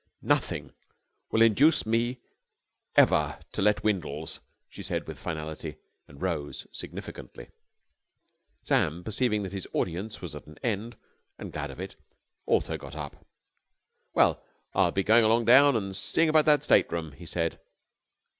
"Nothing will induce me ever to let Windles," she said with finality, and rose significantly. Sam, perceiving that the audience was at an end and glad of it also got up. "Well, I think I'll be going down and seeing about that state room," he said.